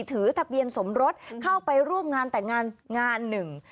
ถือทะเบียนสมรสเข้าไปร่วมงานแต่งงานงานหนึ่ง